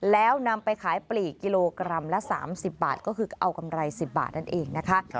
แล้วนำไปขายปลีกกิโลกรัมละ๓๐บาทก็คือเอากำไร๑๐บาทนั่นเองนะคะ